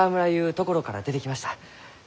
ところから出てきました。